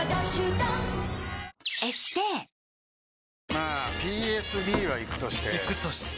まあＰＳＢはイクとしてイクとして？